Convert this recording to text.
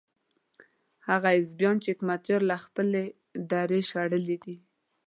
هغه حزبيان چې حکمتیار له خپلې درې شړلي دي.